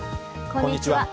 こんにちは。